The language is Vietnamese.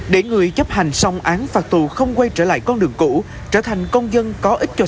để người chấp hành xong án phạt tù không quay trở lại con đường cũ trở thành công dân có ích cho